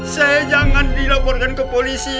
saya jangan dilaporkan ke polisi